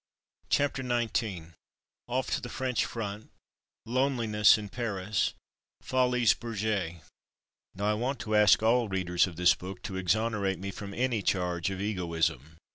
CHAPTER XIX OFF TO FRENCH FRONT — LONELINESS IN PARIS — FOLIES BERGERES Now I want to ask all readers of this book to exonerate me from any charge of egoism.